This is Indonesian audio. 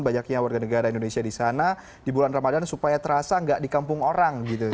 banyaknya warga negara indonesia di sana di bulan ramadan supaya terasa nggak di kampung orang gitu ya